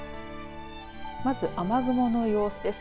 まず、雨雲の様子です。